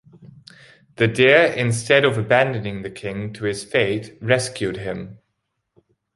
The deer instead of abandoning the king to his fate rescued him.